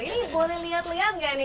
ini boleh lihat lihat nggak nih